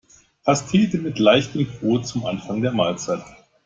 Pastete mit leichtem Brot zum Anfang der Mahlzeit.